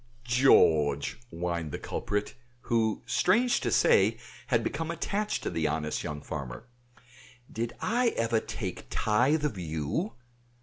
"George!" whined the culprit, who, strange to say, had become attached to the honest young farmer. "Did ever I take tithe of you?